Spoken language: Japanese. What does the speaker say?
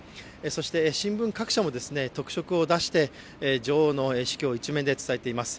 そして新聞各社も特色を出して女王の死去を１面で伝えています。